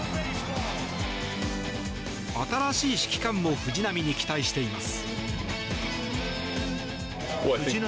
新しい指揮官も藤浪に期待しています。